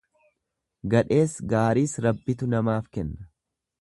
Gadhees gaariis Rabbitu namaaf kenna.